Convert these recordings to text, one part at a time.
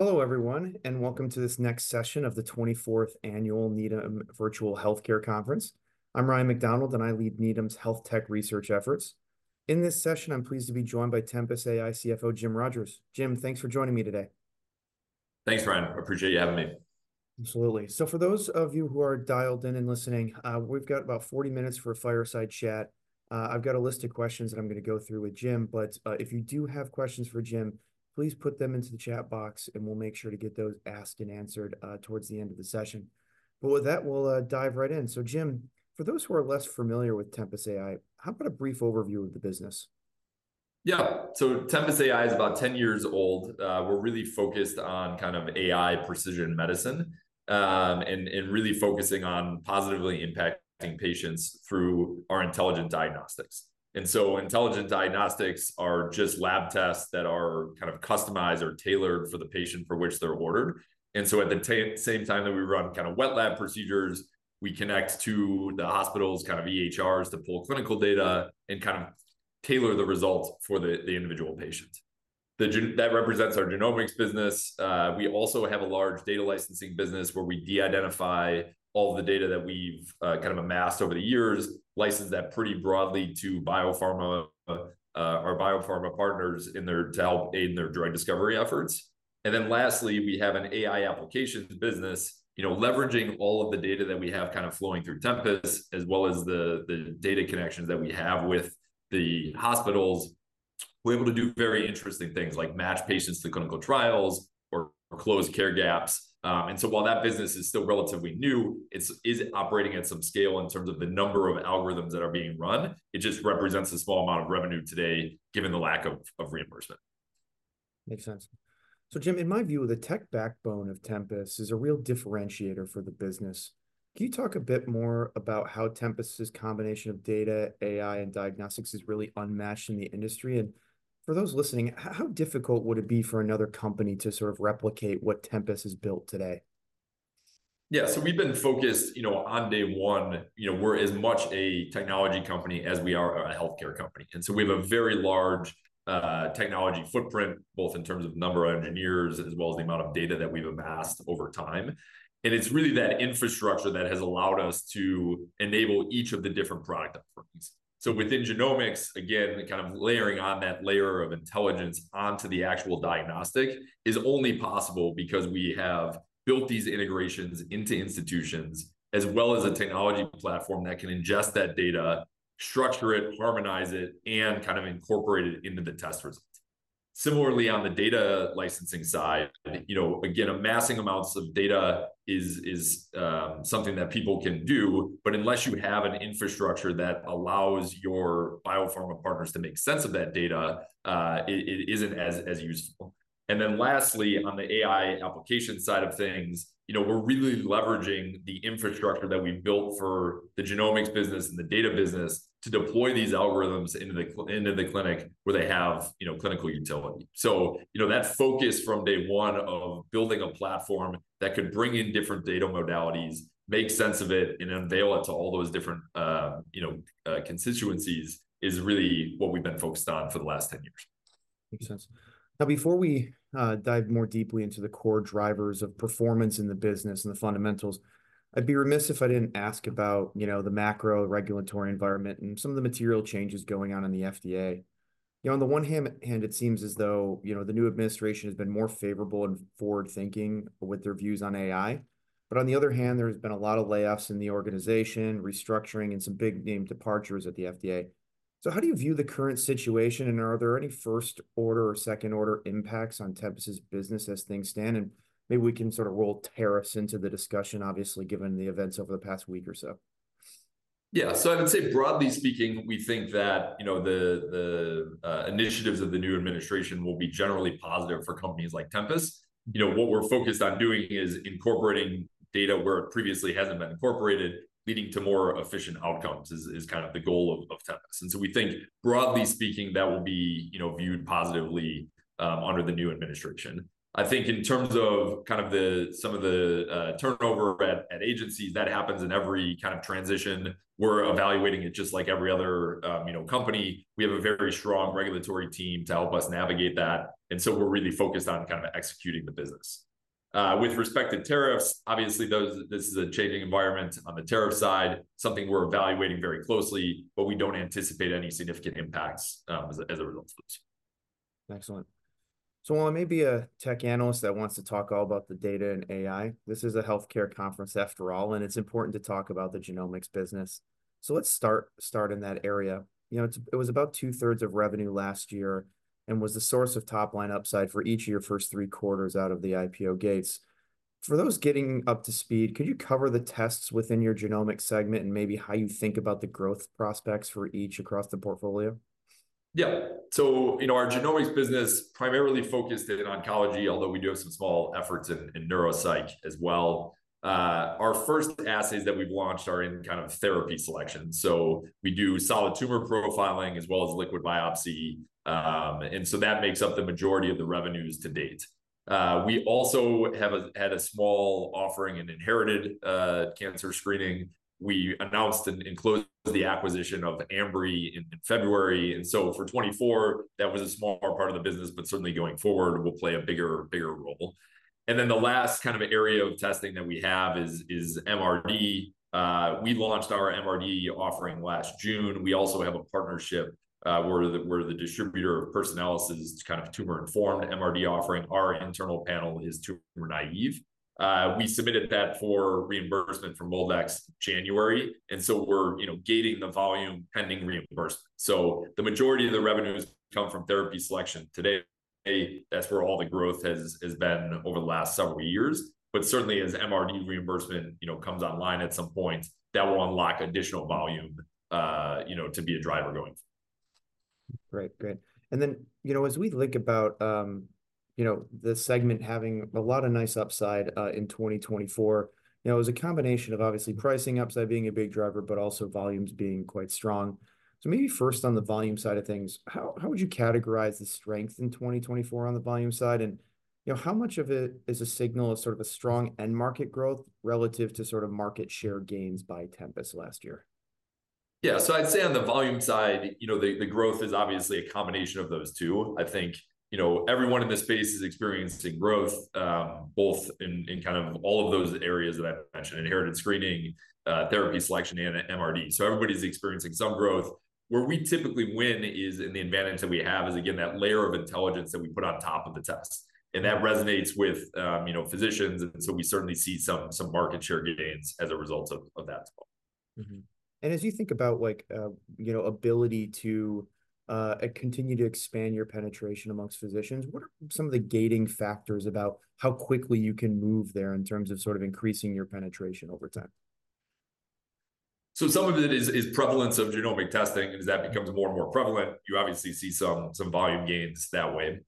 Hello, everyone, and welcome to this next session of the 24th Annual Needham Virtual Healthcare Conference. I'm Ryan MacDonald, and I lead Needham's Health Tech Research efforts. In this session, I'm pleased to be joined by Tempus AI CFO Jim Rogers. Jim, thanks for joining me today. Thanks, Ryan. Appreciate you having me. Absolutely. For those of you who are dialed in and listening, we've got about 40 minutes for a fireside chat. I've got a list of questions that I'm going to go through with Jim, but if you do have questions for Jim, please put them into the chat box, and we'll make sure to get those asked and answered towards the end of the session. With that, we'll dive right in. Jim, for those who are less familiar with Tempus AI, how about a brief overview of the business? Yeah. Tempus AI is about 10 years old. We're really focused on, kind of, AI precision medicine, and really focusing on positively impacting patients through our intelligent diagnostics. Intelligent diagnostics are just lab tests that are customized or tailored for the patient for which they're ordered. At the same time that we run wet lab procedures, we connect to the hospitals', kind of, EHRs to pull clinical data and tailor the results for the individual patients. That represents our genomics business. We also have a large data licensing business where we de-identify all the data that we've amassed over the years, license that pretty broadly to our pharma partners to help aid in their drug discovery efforts. Lastly, we have an AI applications business. Leveraging all of the data that we have flowing through Tempus as well as the data connections that we have with the hospitals, we're able to do very interesting things like match patients to clinical trials or close care gaps. While that business is still relatively new, it is operating at some scale in terms of the number of algorithms that are being run. It just represents a small amount of revenue today given the lack of reimbursement. Make sense. Jim, in my view, the tech backbone of Tempus is a real differentiator for the business. Can you talk a bit more about how Tempus' combination of data, AI, and diagnostics is really unmatched in the industry? For those listening, how difficult would it be for another company to replicate what Tempus has built today? We've been focused, on day one, we're as much a technology company as we are a healthcare company. We have a very large technology footprint, both in terms of number of engineers as well as the amount of data that we've amassed over time. It's really that infrastructure that has allowed us to enable each of the different product offerings. Within genomics, again, layering on that layer of intelligence onto the actual diagnostic is only possible because we have built these integrations into institutions as well as a technology platform that can ingest that data, structure it, harmonize it, and incorporate it into the test results. Similarly, on the data licensing side, again, amassing amounts of data is something that people can do, but unless you have an infrastructure that allows your biopharma partners to make sense of that data, it isn't as useful. Lastly, on the AI application side of things, we're really leveraging the infrastructure that we built for the genomics business and the data business to deploy these algorithms into the clinic where they have clinical utility. That focus from day one of building a platform that could bring in different data modalities, make sense of it, and unveil it to all those different constituencies is really what we've been focused on for the last 10 years. Makes sense. Before we dive more deeply into the core drivers of performance in the business and the fundamentals, I'd be remiss if I didn't ask about the macro regulatory environment and some of the material changes going on in the FDA. On the one hand, it seems as though the new administration has been more favorable and forward-thinking with their views on AI. On the other hand, there's been a lot of layoffs in the organization, restructuring, and some big-name departures at the FDA. How do you view the current situation, and are there any first-order or second-order impacts on Tempus' business as things stand? Maybe we can roll tariffs into the discussion, obviously, given the events over the past week or so. Yeah. I'd say broadly speaking, we think that the initiatives of the new administration will be generally positive for companies like Tempus. What we're focused on doing is incorporating data where it previously hasn't been incorporated, leading to more efficient outcomes is the goal of Tempus. We think, broadly speaking, that will be viewed positively under the new administration. I think in terms of some of the turnover at agencies, that happens in every transition. We're evaluating it just like every other company. We have a very strong regulatory team to help us navigate that, and so we're really focused on executing the business. With respect to tariffs, obviously, this is a changing environment on the tariff side, something we're evaluating very closely, but we don't anticipate any significant impacts as a result of this. Excellent. While I may be a tech analyst that wants to talk all about the data and AI, this is a healthcare conference after all, and it's important to talk about the genomics business. Let's start in that area. It was about 2/3 of revenue last year and was the source of top-line upside for each of your first three quarters out of the IPO gates. For those getting up to speed, could you cover the tests within your genomics segment and maybe how you think about the growth prospects for each across the portfolio? Yeah. Our genomics business primarily focused in oncology, although we do have some small efforts in neuropsych as well. Our first assays that we've launched are in therapy selection. We do solid tumor profiling as well as liquid biopsy. That makes up the majority of the revenues to date. We also have had a small offering in inherited cancer screening. We announced and included the acquisition of Ambry in February. For 2024, that was a smaller part of the business, but certainly going forward, will play a bigger role. The last area of testing that we have is MRD. We launched our MRD offering last June. We also have a partnership where the distributor of Personalis is tumor-informed MRD offering. Our internal panel is tumor-naive. We submitted that for reimbursement from MolDX in January, we're gating the volume pending reimburse. The majority of the revenues come from therapy selection today. That's where all the growth has been over the last several years. Certainly as MRD reimbursement comes online at some point, that will unlock additional volume to be a driver going forward. Right. Great. As we think about the segment having a lot of nice upside in 2024, it was a combination of obviously pricing upside being a big driver, but also volumes being quite strong. Maybe first on the volume side of things, how would you categorize the strength in 2024 on the volume side and, how much of it is a signal of sort of strong end market growth relative to market share gains by Tempus last year? Yeah. I'd say on the volume side, the growth is obviously a combination of those two. I think, everyone in this space is experiencing growth, both in all of those areas that I've mentioned, inherited screening, therapy selection, and MRD. Everybody's experiencing some growth. Where we typically win is in the advantage that we have is, again, that layer of intelligence that we put on top of the test. That resonates with physicians, we certainly see some market share gains as a result of that. If you think about ability to continue to expand your penetration amongst physicians, what are some of the gating factors about how quickly you can move there in terms of increasing your penetration over time? Some of it is prevalence of genomic testing. As that becomes more and more prevalent, you obviously see some volume gains that way.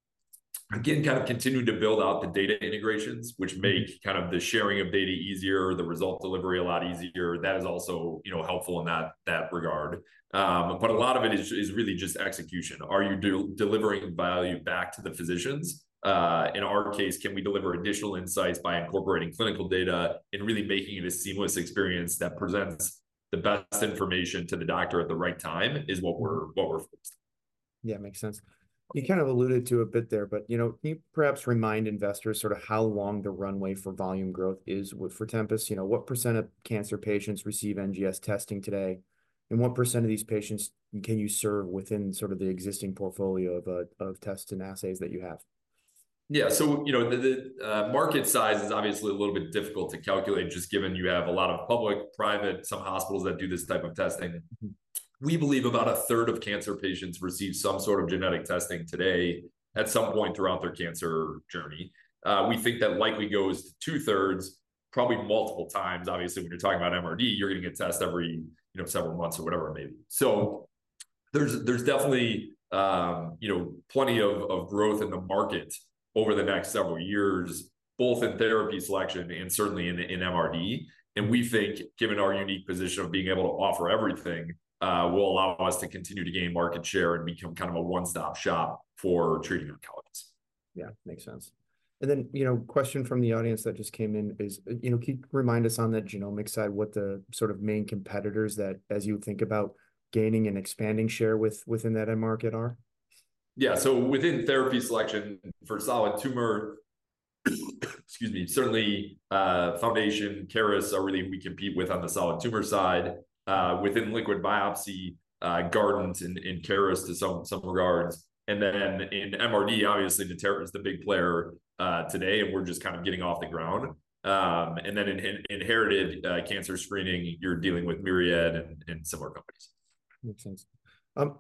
Again, continuing to build out the data integrations, which make the sharing of data easier, the result delivery a lot easier. That is also helpful in that regard. A lot of it is really just execution. Are you delivering value back to the physicians? In our case, can we deliver additional insights by incorporating clinical data and really making it a seamless experience that presents the best information to the doctor at the right time is what we're focused on. Yeah, makes sense. You kind of alluded to it a bit there, but can you perhaps remind investors how long the runway for volume growth is for Tempus? What percent of cancer patients receive NGS testing today, and what percent of these patients can you serve within the existing portfolio of tests and assays that you have? Yeah. The market size is obviously a little bit difficult to calculate, just given you have a lot of public, private, some hospitals that do this type of testing. We believe about 1/3 of cancer patients receive some sort of genetic testing today at some point throughout their cancer journey. We think that likely goes to 2/3, probably multiple times, obviously, when you're talking about MRD. You're going to get tested every several months or whatever, maybe. There's definitely plenty of growth in the market over the next several years, both in therapy selection and certainly in MRD. We think given our unique position of being able to offer everything, will allow us to continue to gain market share and become kind of a one-stop shop for treating oncologists. Yeah, makes sense. Question from the audience that just came in is, can you remind us on that genomic side, what the main competitors that as you think about gaining and expanding share within that end market are? Yeah. Within therapy selection for solid tumor, excuse me, certainly, Foundation, Caris, are really who we compete with on the solid tumor side. Within liquid biopsy, Guardant and Caris to some regards. In MRD, obviously Caris the big player today, and we're just kind of getting off the ground. In inherited cancer screening, you're dealing with Myriad and similar companies. Makes sense. In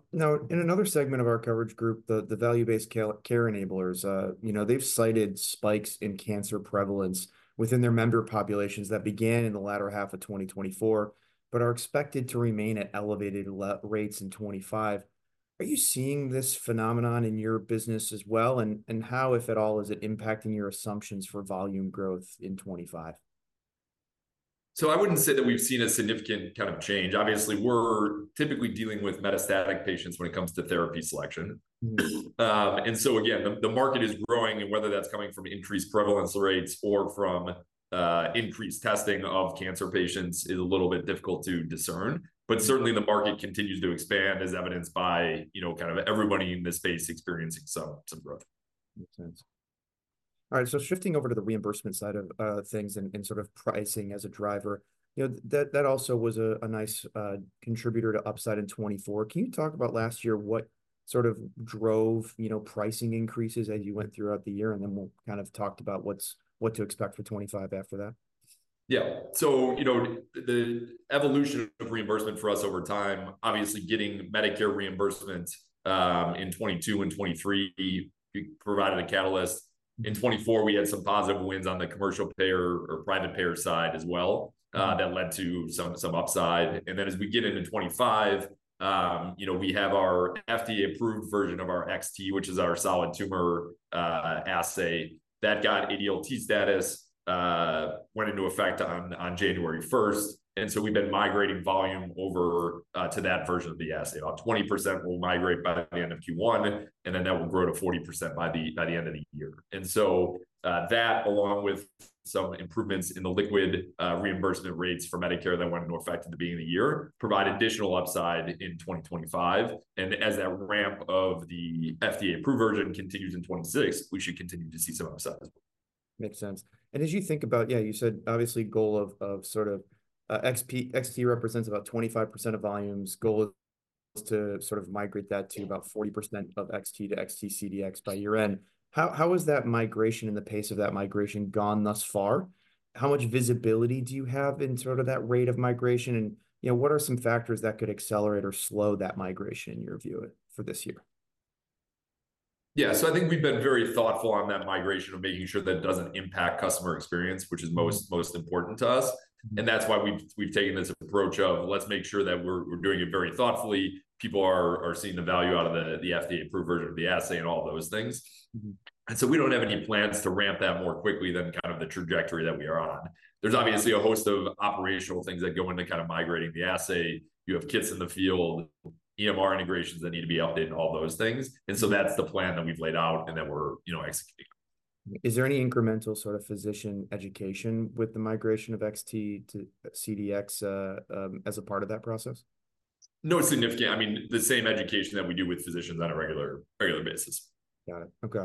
another segment of our coverage group, the value-based care enablers, they've cited spikes in cancer prevalence within their member populations that began in the latter half of 2024, but are expected to remain at elevated rates in 2025. Are you seeing this phenomenon in your business as well, and how, if at all, is it impacting your assumptions for volume growth in 2025? I wouldn't say that we've seen a significant change. Obviously, we're typically dealing with metastatic patients when it comes to therapy selection. Again, the market is growing and whether that's coming from increased prevalence rates or from increased testing of cancer patients is a little bit difficult to discern. Certainly the market continues to expand as evidenced by everybody in this space experiencing some growth. Makes sense. All right. Shifting over to the reimbursement side of things and pricing as a driver, that also was a nice contributor to upside in 2024. Can you talk about last year, what drove pricing increases as you went throughout the year, and then we'll talk about what to expect for 2025 after that? Yeah. The evolution of reimbursement for us over time, obviously getting Medicare reimbursement in 2022 and 2023 provided a catalyst. In 2024, we had some positive wins on the commercial payer or private payer side as well that led to some upside. As we get into 2025, we have our FDA-approved version of our xT, which is our solid tumor assay that got ADLT status, went into effect on January 1st. We've been migrating volume over to that version of the assay. About 20% will migrate by the end of Q1, and that will grow to 40% by the end of the year. That, along with some improvements in the liquid reimbursement rates for Medicare that went into effect at the beginning of the year, provide additional upside in 2025. As that ramp of the FDA-approved version continues in 2026, we should continue to see some upside as well. Makes sense. As you think about, you said obviously goal of xT represents about 25% of volumes goal is to migrate that to about 40% of xT to xT CDx by year-end. How has that migration and the pace of that migration gone thus far? How much visibility do you have in that rate of migration? What are some factors that could accelerate or slow that migration, in your view, for this year? Yeah. I think we've been very thoughtful on that migration of making sure that it doesn't impact customer experience, which is most important to us. That's why we've taken this approach of let's make sure that we're doing it very thoughtfully. People are seeing the value out of the FDA-approved version of the assay and all those things. We don't have any plans to ramp that more quickly than the trajectory that we are on. There's obviously a host of operational things that go into migrating the assay. You have kits in the field, EMR integrations that need to be updated, all those things. That's the plan that we've laid out and that we're executing on. Is there any incremental physician education with the migration of xT to CDx as a part of that process? No significant. The same education that we do with physicians on a regular basis. Got it. Okay.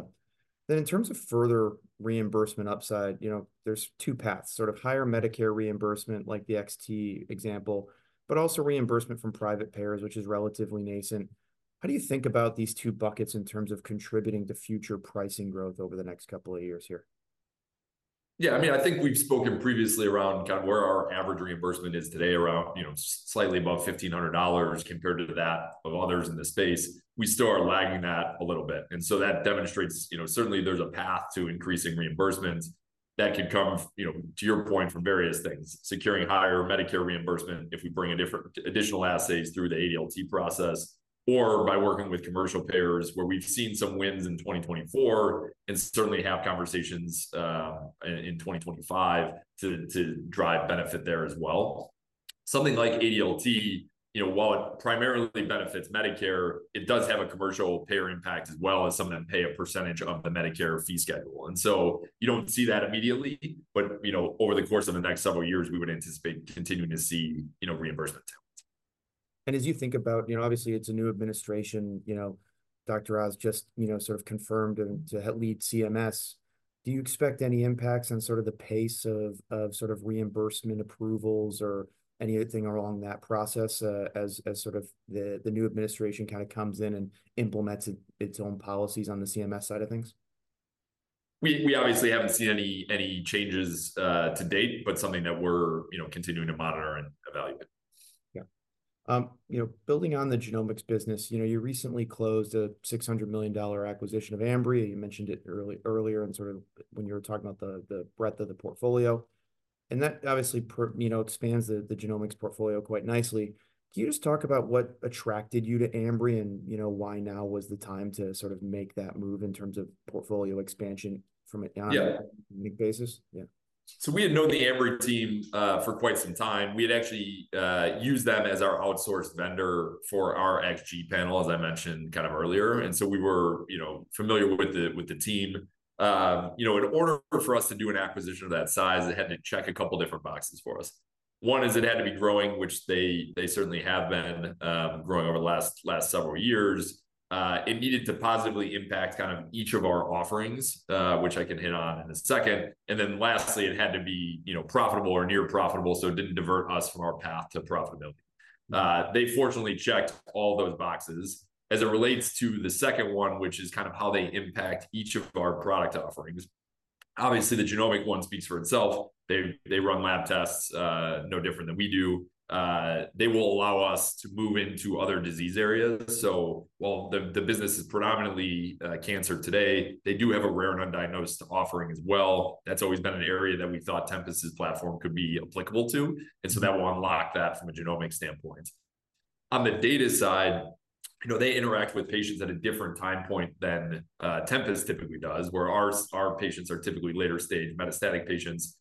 In terms of further reimbursement upside, there's two paths, higher Medicare reimbursement, like the xT example, but also reimbursement from private payers, which is relatively nascent. How do you think about these two buckets in terms of contributing to future pricing growth over the next couple of years here? Yeah, I think we've spoken previously around where our average reimbursement is today, around slightly above $1,500 compared to that of others in the space. We still are lagging that a little bit, that demonstrates certainly there's a path to increasing reimbursements that can come, to your point, from various things, securing higher Medicare reimbursement if we bring additional assays through the ADLT process or by working with commercial payers where we've seen some wins in 2024 and certainly have conversations in 2025 to drive benefit there as well. Something like ADLT, while it primarily benefits Medicare, it does have a commercial payer impact as well as something to pay a percentage of the Medicare fee schedule. You don't see that immediately, over the course of the next several years, we would anticipate continuing to see reimbursement. As you think about, obviously it's a new administration, Dr. Oz just confirmed to lead CMS. Do you expect any impacts on the pace of reimbursement approvals or anything along that process as the new administration comes in and implements its own policies on the CMS side of things? We obviously haven't seen any changes to date, but something that we're continuing to monitor and evaluate. Yeah. Building on the genomics business, you recently closed a $600 million acquisition of Ambry, and you mentioned it earlier when you were talking about the breadth of the portfolio. That obviously expands the genomics portfolio quite nicely. Can you just talk about what attracted you to Ambry and why now was the time to make that move in terms of portfolio expansion from an Ambry basis? Yeah. We had known the Ambry team for quite some time. We had actually used them as our outsource vendor for our xG panel, as I mentioned earlier. We were familiar with the team. In order for us to do an acquisition of that size, it had to check a couple different boxes for us. One is it had to be growing, which they certainly have been growing over the last several years. It needed to positively impact each of our offerings, which I can hit on in a second. Lastly, it had to be profitable or near profitable, so it didn't divert us from our path to profitability. They fortunately checked all those boxes. As it relates to the second one, which is how they impact each of our product offerings. Obviously, the genomic one speaks for itself. They run lab tests no different than we do. They will allow us to move into other disease areas. While the business is predominantly cancer today, they do have a rare and undiagnosed offering as well. That's always been an area that we thought Tempus's platform could be applicable to, that will unlock that from a genomic standpoint. On the data side, they interact with patients at a different time point than Tempus typically does, where our patients are typically later-stage metastatic patients.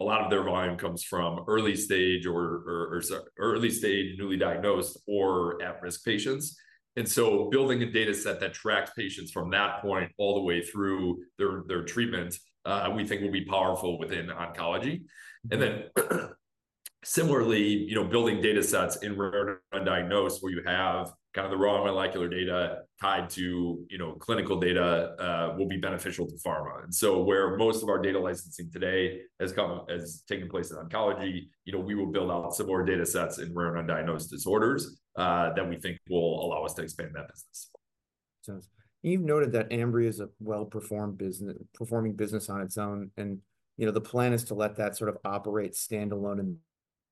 A lot of their volume comes from early-stage, newly diagnosed, or at-risk patients. Building a data set that tracks patients from that point all the way through their treatment, we think will be powerful within oncology. Similarly, building data sets in rare and undiagnosed where you have the raw molecular data tied to clinical data will be beneficial to pharma. Where most of our data licensing today has taken place in oncology, we will build out similar data sets in rare and undiagnosed disorders that we think will allow us to expand that business. Makes sense. You've noted that Ambry is a well-performing business on its own, and the plan is to let that sort of operate standalone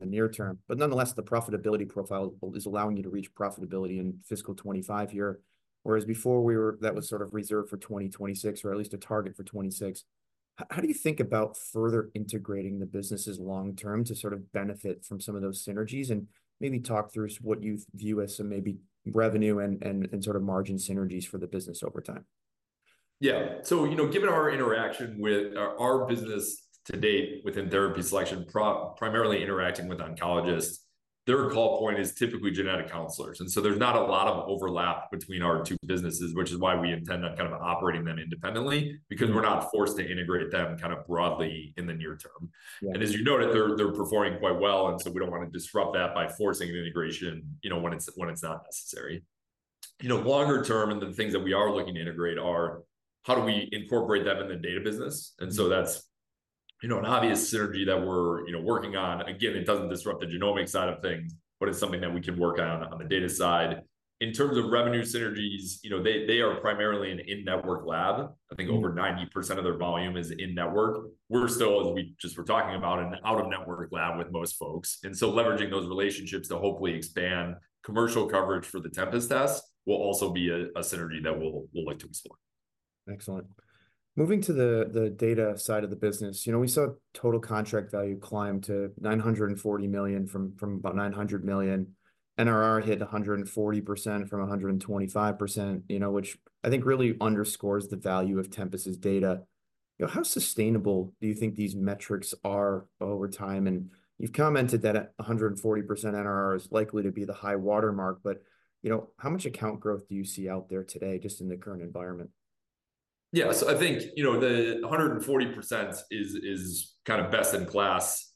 in the near term. Nonetheless, the profitability profile is allowing you to reach profitability in fiscal 2025 here, whereas before that was sort of reserved for 2026, or at least a target for 2026. How do you think about further integrating the businesses long term to sort of benefit from some of those synergies? Maybe talk through what you view as maybe revenue and sort of margin synergies for the business over time. Yeah. Given our interaction with our business to date within therapy selection, primarily interacting with oncologists, their call point is typically genetic counselors. There's not a lot of overlap between our two businesses, which is why we intend on kind of operating them independently because we're not forced to integrate them kind of broadly in the near term. Yeah. As you noted, they're performing quite well, we don't want to disrupt that by forcing integration when it's not necessary. Longer term, the things that we are looking to integrate are how do we incorporate that in the data business? That's an obvious synergy that we're working on. Again, it doesn't disrupt the genomic side of things, but it's something that we can work on the data side. In terms of revenue synergies, they are primarily an in-network lab. I think over 90% of their volume is in-network. We're still, as we just were talking about, an out-of-network lab with most folks, and so leveraging those relationships to hopefully expand commercial coverage for the Tempus test will also be a synergy that we'll look to. Excellent. Moving to the data side of the business. We saw total contract value climb to $940 million from about $900 million. NRR hit 140% from 125%, which I think really underscores the value of Tempus' data. How sustainable do you think these metrics are over time? You've commented that 140% NRR is likely to be the high watermark, how much account growth do you see out there today just in the current environment? Yeah. I think the 140% is kind of best in class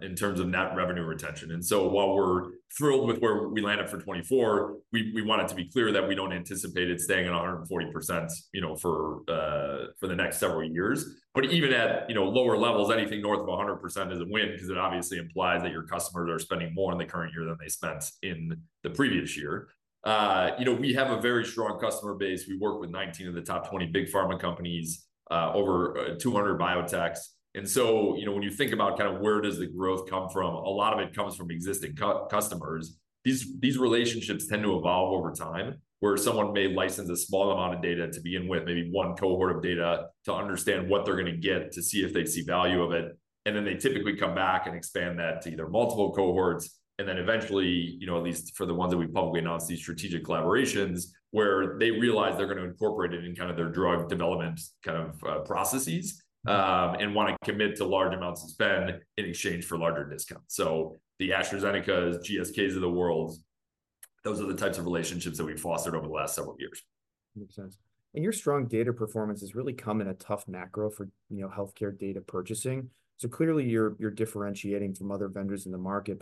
in terms of net revenue retention. While we're thrilled with where we land after 2024, we want it to be clear that we don't anticipate it staying at 140% for the next several years. Even at lower levels, anything north of 100% is a win because it obviously implies that your customers are spending more in the current year than they spent in the previous year. We have a very strong customer base. We work with 19 of the top 20 big pharma companies, over 200 biotechs. When you think about where does the growth come from, a lot of it comes from existing customers. These relationships tend to evolve over time, where someone may license a small amount of data to begin with, maybe one cohort of data to understand what they're going to get to see if they see value of it. Then they typically come back and expand that to either multiple cohorts and then eventually, at least for the ones that we've publicly announced these strategic collaborations, where they realize they're going to incorporate it in their drug development processes, and want to commit to large amounts of spend in exchange for larger discounts. The AstraZeneca, GSK of the world, those are the types of relationships that we've fostered over the last several years. Makes sense. Your strong data performance has really come in a tough macro for healthcare data purchasing. Clearly you're differentiating from other vendors in the market.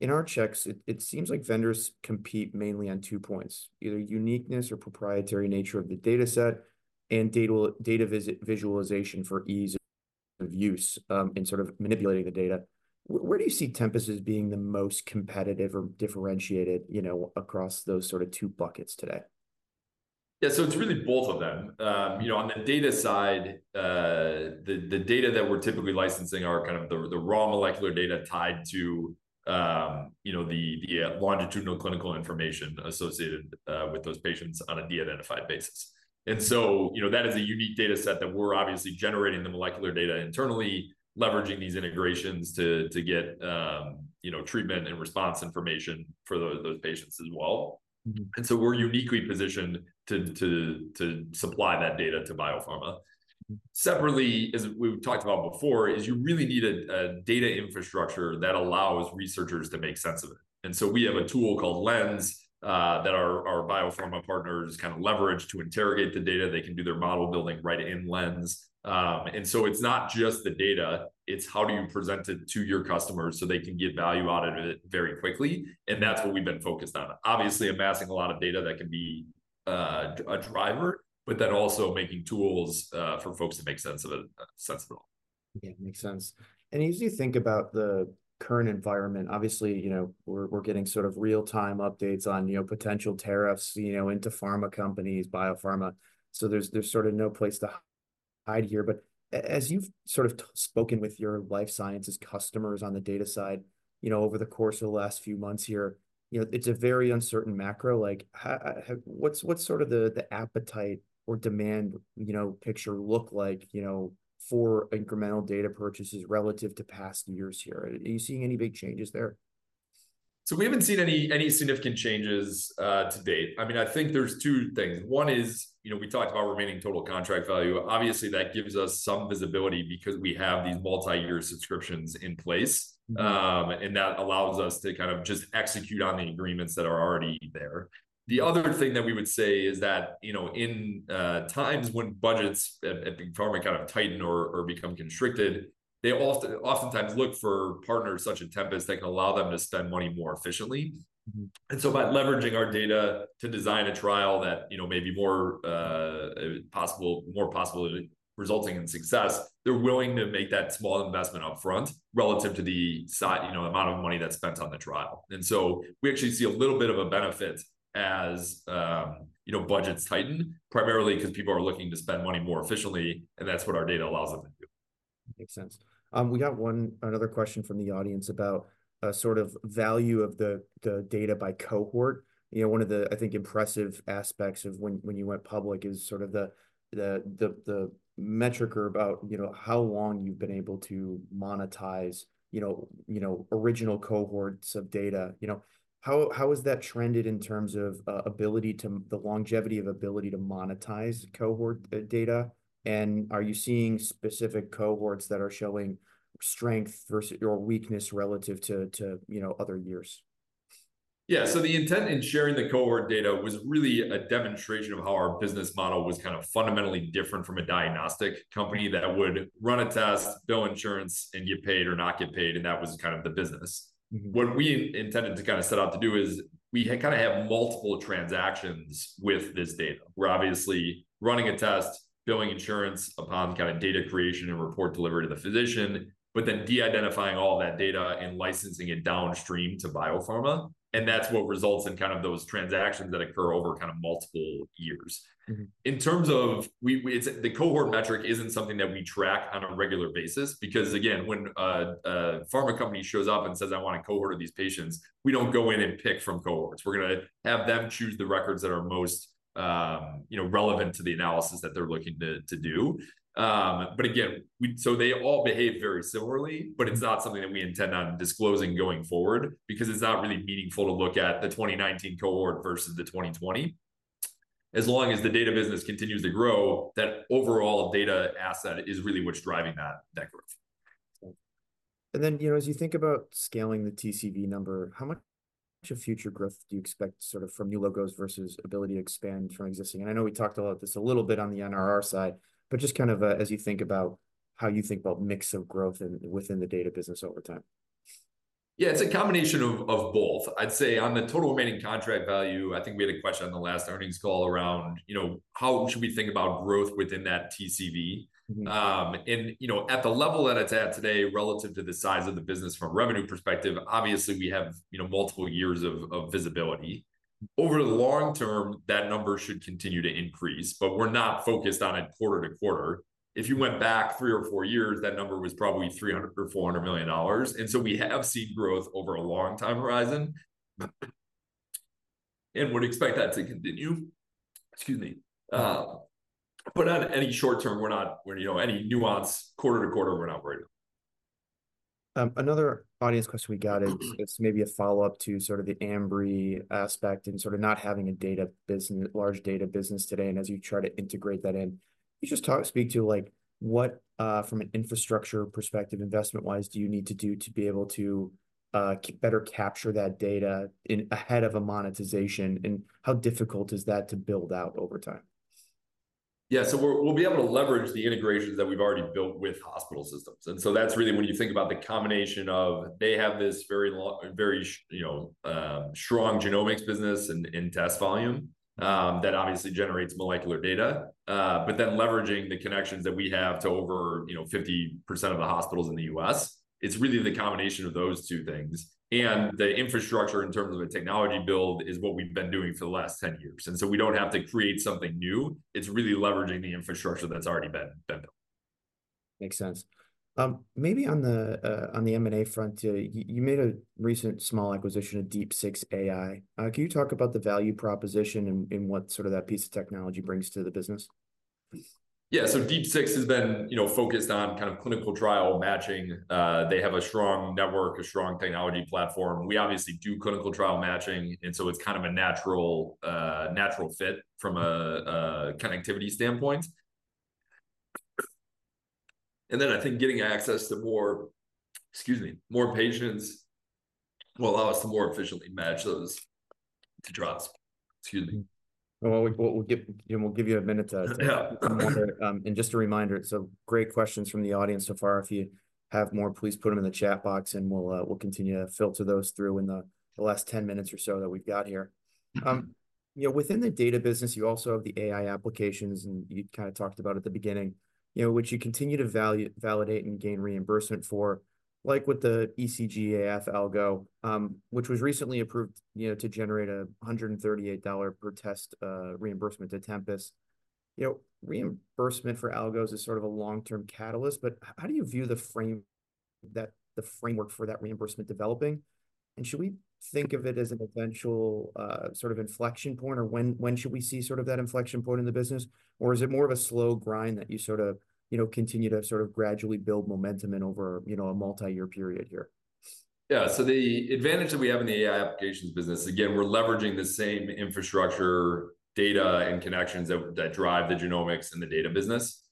In our checks, it seems like vendors compete mainly on two points, either uniqueness or proprietary nature of the dataset, and data visualization for ease of use, and sort of manipulating the data. Where do you see Tempus as being the most competitive or differentiated across those two buckets today? It's really both of them. On the data side, the data that we're typically licensing are the raw molecular data tied to the longitudinal clinical information associated with those patients on a de-identified basis. That is a unique dataset that we're obviously generating the molecular data internally, leveraging these integrations to get treatment and response information for those patients as well. We're uniquely positioned to supply that data to biopharma. Separately, as we've talked about before, is you really need a data infrastructure that allows researchers to make sense of it. We have a tool called Lens that our biopharma partners leverage to interrogate the data. They can do their model building right in Lens. It's not just the data, it's how do you present it to your customers so they can get value out of it very quickly. That's what we've been focused on. Obviously, amassing a lot of data that can be a driver, but then also making tools for folks to make sense of it—sensible. Yeah, makes sense. As you think about the current environment, obviously, we're getting real time updates on potential tariffs into pharma companies, biopharma. There's sort of no place to hide here. As you've spoken with your life sciences customers on the data side over the course of the last few months here, it's a very uncertain macro. What's sort of the appetite or demand picture look like for incremental data purchases relative to past years here? Are you seeing any big changes there? We haven't seen any significant changes to date. I think there's two things. One is, we talked about remaining total contract value. Obviously, that gives us some visibility because we have these multi-year subscriptions in place. That allows us to just execute on the agreements that are already there. The other thing that we would say is that, in times when budgets in pharma tighten or become constricted, they oftentimes look for partners such as Tempus that allow them to spend money more efficiently. By leveraging our data to design a trial that maybe more possible resulting in success, they're willing to make that small investment up front relative to the amount of money that's spent on the trial. We actually see a little bit of a benefit as budgets tighten, primarily because people are looking to spend money more efficiently, and that's what our data allows them to do. Makes sense. We got another question from the audience about sort of value of the data by cohort. One of the, I think, impressive aspects of when you went public is sort of the metric about how long you've been able to monetize original cohorts of data. How has that trended in terms of the longevity of ability to monetize cohort data? Are you seeing specific cohorts that are showing strength versus, or weakness relative to other years? Yeah. The intent in sharing the cohort data was really a demonstration of how our business model was kind of fundamentally different from a diagnostic company that would run a test, bill insurance, and get paid or not get paid, and that was kind of the business. What we intended to set out to do is we have multiple transactions with this data. We're obviously running a test, billing insurance upon data creation and report delivery to the physician, but then de-identifying all that data and licensing it downstream to biopharma. That's what results in those transactions that occur over multiple years. In terms of, the cohort metric isn't something that we track on a regular basis because, again, when a pharma company shows up and says, "I want to cohort these patients," we don't go in and pick from cohorts. We're going to have them choose the records that are most relevant to the analysis that they're looking to do. Again, they all behave very similarly, but it's not something that we intend on disclosing going forward because it's not really meaningful to look at the 2019 cohort versus the 2020. As long as the data business continues to grow, that overall data asset is really what's driving that network. As you think about scaling the TCV number, how much future growth do you expect sort of from new logos versus ability to expand transitioning? I know we talked about this a little bit on the NRR side, but just kind of as you think about how you think about mix of growth within the data business over time. Yeah, it's a combination of both. I'd say on the total remaining contract value, I think we had a question on the last earnings call around how should we think about growth within that TCV. At the level that it's at today relative to the size of the business from a revenue perspective, obviously, we have multiple years of visibility. Over the long term, that number should continue to increase, but we're not focused on it quarter to quarter. If you went back three or four years, that number was probably $300 million or $400 million. We have seen growth over a long time horizon and would expect that to continue. Excuse me. On any short term, any nuance quarter to quarter, we're not providing. Another audience question we got, it's maybe a follow-up to sort of the Ambry aspect and sort of not having a large data business today and as you try to integrate that in. Can you just speak to what, from an infrastructure perspective, investment-wise, do you need to do to be able to better capture that data ahead of a monetization? How difficult is that to build out over time? Yeah. We'll be able to leverage the integrations that we've already built with hospital systems. That's really when you think about the combination of they have this very strong genomics business and test volume that obviously generates molecular data. Leveraging the connections that we have to over 50% of the hospitals in the U.S., it's really the combination of those two things. The infrastructure in terms of the technology build is what we've been doing for the last 10 years, and so we don't have to create something new. It's really leveraging the infrastructure that's already been built. Makes sense. Maybe on the M&A front, you made a recent small acquisition of Deep 6 AI. Can you talk about the value proposition and what that piece of technology brings to the business? Yeah. Deep 6 has been focused on clinical trial matching. They have a strong network, a strong technology platform. We obviously do clinical trial matching, and so it's kind of a natural fit from a connectivity standpoint. I think getting access to more, excuse me, more patients will allow us to more efficiently match to trials. Excuse me. Well, we'll give you a minute— Yeah recover. Just a reminder, great questions from the audience so far. If you have more, please put them in the chat box and we'll continue to filter those through in the last 10 minutes or so that we've got here. Within the data business, you also have the AI applications, and you kind of talked about at the beginning, which you continue to validate and gain reimbursement for, like with the ECG-AF algo, which was recently approved to generate a $138 per test reimbursement to Tempus. Reimbursement for algos is sort of a long-term catalyst, how do you view the framework for that reimbursement developing? Should we think of it as an eventual sort of inflection point, or when should we see that inflection point in the business? Is it more of a slow grind that you sort of continue to gradually build momentum in over a multi-year period here? Yeah. The advantage that we have in the AI applications business, again, we're leveraging the same infrastructure, data, and connections that drive the genomics and the data business.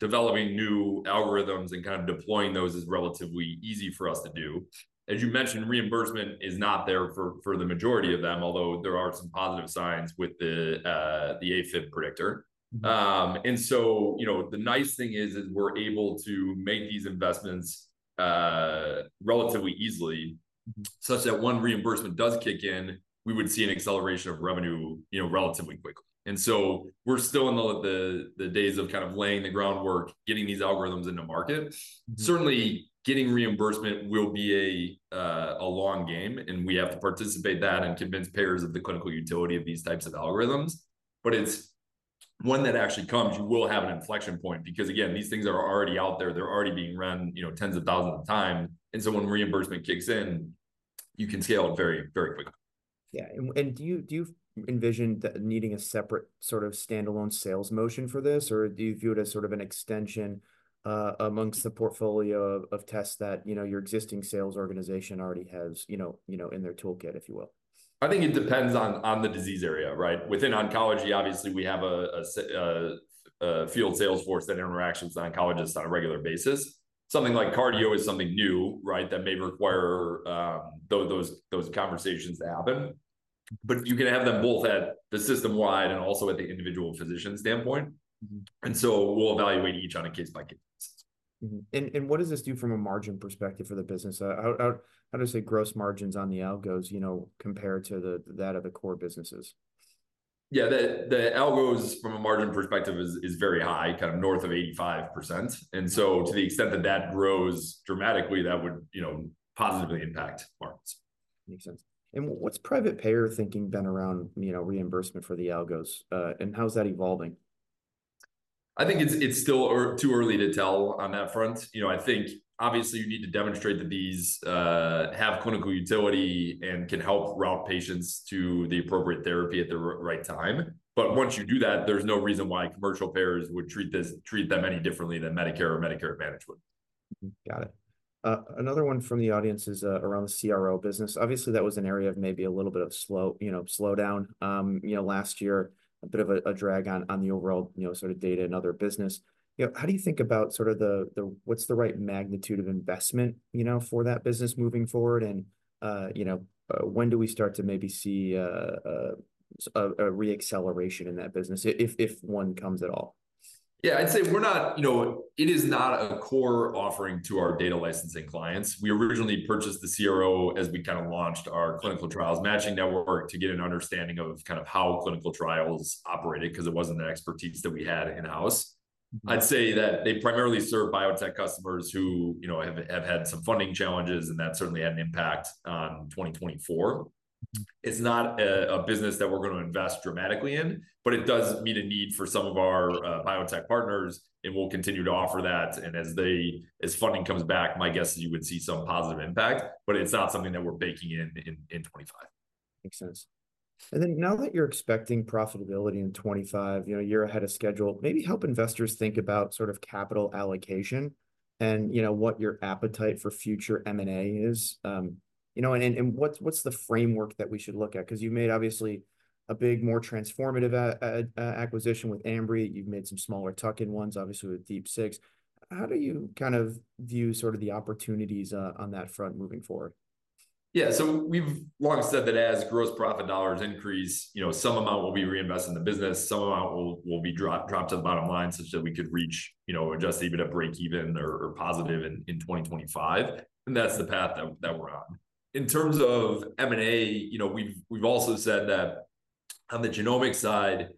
Developing new algorithms and deploying those is relatively easy for us to do. As you mentioned, reimbursement is not there for the majority of them, although there are some positive signs with the AFib predictor. The nice thing is we're able to make these investments relatively easily, such that once reimbursement does kick in, we would see an acceleration of revenue relatively quickly. We're still in the days of laying the groundwork, getting these algorithms into market. Certainly, getting reimbursement will be a long game, and we have to participate in that and convince payers of the clinical utility of these types of algorithms. When that actually comes, you will have an inflection point because again, these things are already out there. They're already being run tens of thousands of times. When reimbursement kicks in, you can scale very, very quickly. Yeah. Do you envision needing a separate standalone sales motion for this? Or do you view it as an extension amongst the portfolio of tests that your existing sales organization already has in their toolkit, if you will? I think it depends on the disease area, right? Within oncology, obviously, we have a field sales force that interacts with oncologists on a regular basis. Something like cardio is something new, right? That may require those conversations to happen. You can have them both at the system-wide and also at the individual physician standpoint. We'll evaluate each on a case-by-case basis. What does this do from a margin perspective for the business? How does the gross margins on the algos compare to that of the core businesses? Yeah. The algos from a margin perspective is very high, north of 85%. To the extent that that grows dramatically, that would positively impact margins. Makes sense. What's private payer thinking been around reimbursement for the algos? How is that evolving? I think it's still too early to tell on that front. I think obviously you need to demonstrate that these have clinical utility and can help route patients to the appropriate therapy at the right time. Once you do that, there's no reason why commercial payers would treat them any differently than Medicare or Medicare Advantage would. Got it. Another one from the audience is around the CRO business. Obviously, that was an area of maybe a little bit of slowdown last year, a bit of a drag on annual growth, data and other business. How do you think about what's the right magnitude of investment for that business moving forward and when do we start to maybe see a re-acceleration in that business, if one comes at all? Yeah. I'd say it is not a core offering to our data licensing clients. We originally purchased the CRO as we launched our clinical trials matching network to get an understanding of how clinical trials operated, because it wasn't an expertise that we had in-house. I'd say that they primarily serve biotech customers who have had some funding challenges. That certainly had an impact on 2024. It's not a business that we're going to invest dramatically in. It does meet a need for some of our biotech partners. We'll continue to offer that. As funding comes back, my guess is you would see some positive impact. It's not something that we're baking in 2025. Makes sense. Now that you're expecting profitability in 2025, a year ahead of schedule, maybe help investors think about capital allocation and what your appetite for future M&A is. What's the framework that we should look at? Because you made obviously a big, more transformative acquisition with Ambry. You've made some smaller tuck-in ones, obviously, with Deep 6. How do you view the opportunities on that front moving forward? Yeah. We've long said that as gross profit dollars increase, some amount will be reinvested in the business, some amount will be dropped to the bottom line such that we could reach adjusted EBITDA breakeven or positive in 2025. That's the path that we're on. In terms of M&A, we've also said that on the genomic side,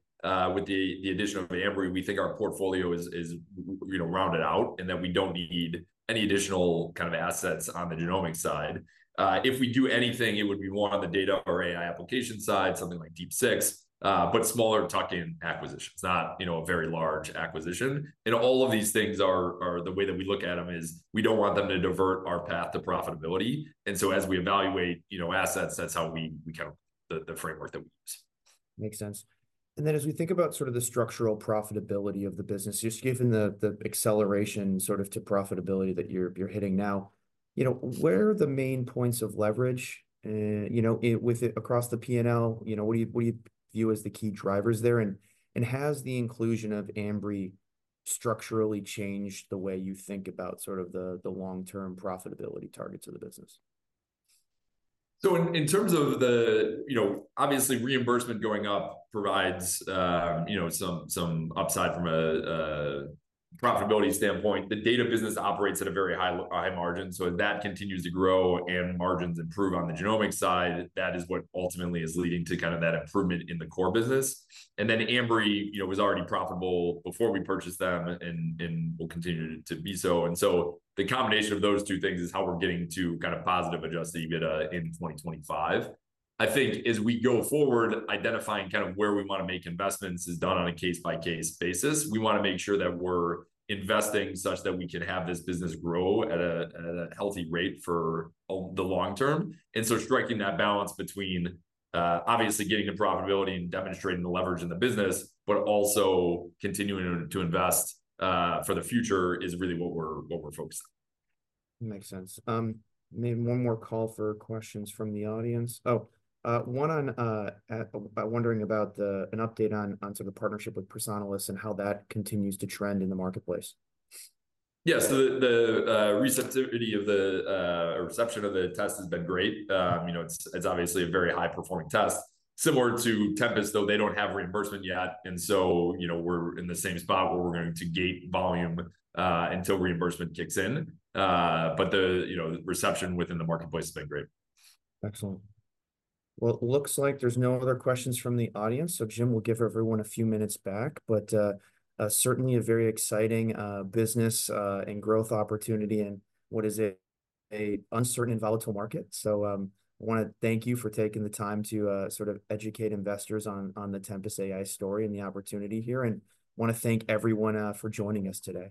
with the addition of Ambry, we think our portfolio is rounded out and that we don't need any additional assets on the genomic side. If we do anything, it would be more on the data or AI application side, something like Deep 6, but smaller tuck-in acquisitions, not a very large acquisition. All of these things, the way that we look at them is we don't want them to divert our path to profitability. As we evaluate assets, that's the framework that we use. Makes sense. As we think about the structural profitability of the business, just given the acceleration to profitability that you're hitting now, where are the main points of leverage across the P&L? What do you view as the key drivers there? Has the inclusion of Ambry structurally changed the way you think about the long-term profitability targets of the business? In terms of the, obviously reimbursement going up provides some upside from a profitability standpoint. The data business operates at a very high margin, so that continues to grow and margins improve on the genomic side. That is what ultimately is leading to that improvement in the core business. Ambry was already profitable before we purchased them and will continue to be so. The combination of those two things is how we're getting to positive adjusted EBITDA in 2025. I think as we go forward, identifying where we want to make investments is done on a case-by-case basis. We want to make sure that we're investing such that we can have this business grow at a healthy rate for the long term. Striking that balance between obviously getting to profitability and demonstrating the leverage in the business, but also continuing to invest for the future is really what we're focused on. Makes sense. Maybe one more call for questions from the audience. One wondering about an update on the partnership with Personalis and how that continues to trend in the marketplace. Yeah. The receptivity of the reception of the test has been great. It's obviously a very high-performing test. Similar to Tempus, though they don't have reimbursement yet, and so we're in the same spot where we're going to gate volume until reimbursement kicks in. The reception within the marketplace has been great. Excellent. Well, it looks like there's no other questions from the audience. Jim will give everyone a few minutes back. Certainly a very exciting business and growth opportunity in what is an uncertain and volatile market. Want to thank you for taking the time to educate investors on the Tempus AI story and the opportunity here, and want to thank everyone for joining us today.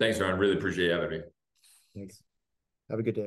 Thanks, Ryan. Really appreciate the opportunity. Thanks. Have a good day.